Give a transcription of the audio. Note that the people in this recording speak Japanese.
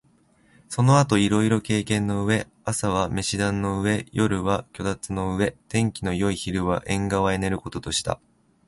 その後いろいろ経験の上、朝は飯櫃の上、夜は炬燵の上、天気のよい昼は縁側へ寝る事とした